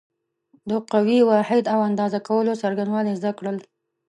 د قوې واحد او اندازه کولو څرنګوالی زده کړل.